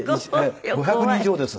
５００人以上です。